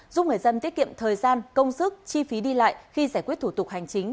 giúp người dân tiết kiệm thời gian công sức chi phí đi lại khi giải quyết thủ tục hành chính